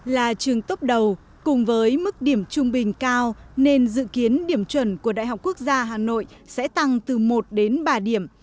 là trường tốc đầu cùng với mức điểm trung bình cao nên dự kiến điểm chuẩn của đại học quốc gia hà nội sẽ tăng từ một đến ba điểm